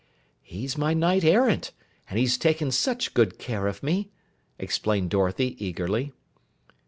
"He's my Knight Errant, and he's taken such good care of me," explained Dorothy eagerly.